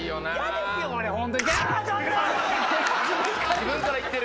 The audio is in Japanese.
・自分からいってる。